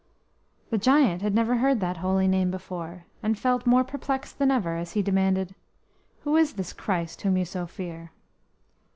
The giant had never heard that Holy Name before, and felt more perplexed than ever as he demanded: "Who is this Christ whom you so fear?"